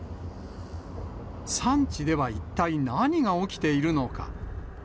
産地では一体何が起きているのか。